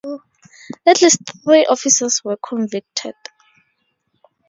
At least three officers were convicted.